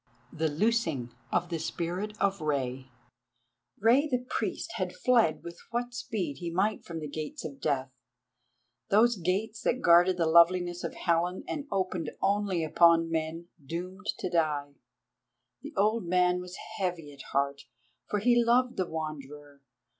THE LOOSING OF THE SPIRIT OF REI Rei the Priest had fled with what speed he might from the Gates of Death, those gates that guarded the loveliness of Helen and opened only upon men doomed to die. The old man was heavy at heart, for he loved the Wanderer.